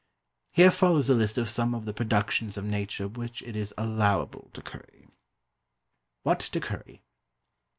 Here follows a list of some of the productions of Nature which it is allowable to curry. _What to Curry.